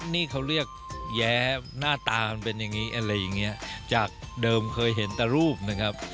นี่เขาเรียกแย้หน้าตามันเป็นอย่างงี้อะไรอย่างเงี้ยจากเดิมเคยเห็นแต่รูปนะครับ